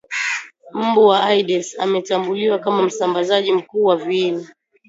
Mbu wa Aedes ametambuliwa kama msambazaji mkuu wa viini